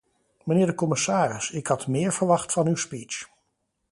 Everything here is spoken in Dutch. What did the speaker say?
Mijnheer de commissaris, ik had meer verwacht van uw speech.